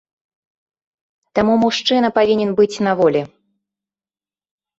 Таму мужчына павінен быць на волі.